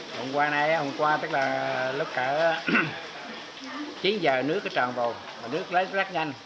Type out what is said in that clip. hôm qua này hôm qua tức là lúc cả chín giờ nước tròn vồn nước lấy rất nhanh